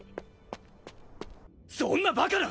そんなバカな！